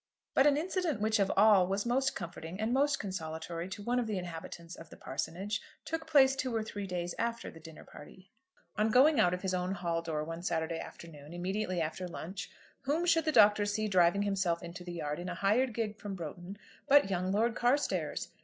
But an incident which of all was most comforting and most consolatory to one of the inhabitants of the parsonage took place two or three days after the dinner party. On going out of his own hall door one Saturday afternoon, immediately after lunch, whom should the Doctor see driving himself into the yard in a hired gig from Broughton but young Lord Carstairs.